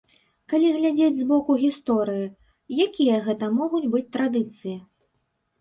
Калі глядзець з боку гісторыі, якія гэта могуць быць традыцыі?